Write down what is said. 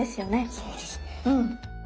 そうですね。